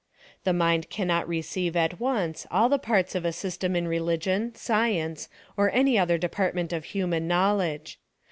The mind cannot receive at once all the parts of a sys tem in religion, science, or any other department of human Knowledge.